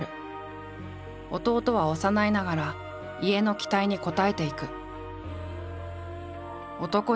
弟は幼いながら家の期待に応えていく。